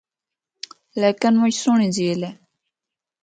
لیکن مُچ سہنڑی جھیل ہے۔